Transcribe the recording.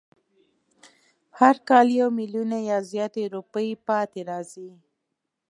هر کال یو میلیونه یا زیاتې روپۍ پاتې راځي.